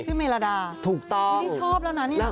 ชื่อเมลาดานี่ชอบแล้วนะนี่หรอ